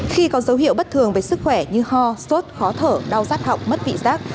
khi có dấu hiệu bất thường về sức khỏe như ho sốt khó thở đau rát họng mất vị giác